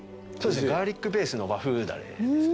ガーリックベースの和風だれですね。